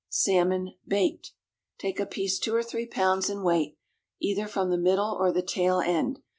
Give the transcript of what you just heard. =Salmon, Baked.= Take a piece two or three pounds in weight, either from the middle or the tail end.